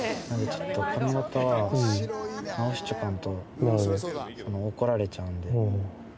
ちょっと髪型は直しちょかんと怒られちゃうんで。